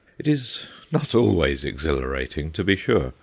It is not always exhilarating, to be sure.